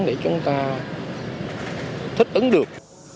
để chúng ta thích ứng được